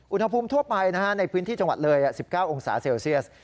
อุณหภูมิทั่วไปในพื้นที่จังหวัดเลย๑๙องศาเซลเซียส